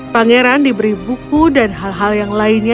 pangeran diberi buku dan hal hal yang lainnya